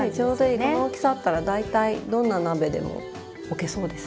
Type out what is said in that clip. この大きさあったら大体どんな鍋でも置けそうです。